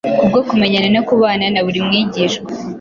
Kubwo kumenyana no kubana na buri mwigishwa,